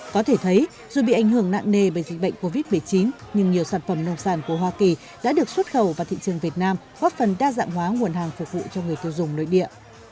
có thể thấy dù bị ảnh hưởng nặng nề bởi dịch bệnh covid một mươi chín nhưng nhiều sản phẩm nông sản của hoa kỳ đã được xuất khẩu vào thị trường việt nam góp phần đa dạng hóa nguồn hàng phục vụ cho người tiêu dùng nội địa